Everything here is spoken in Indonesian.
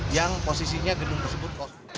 yang posisinya gedung tersebut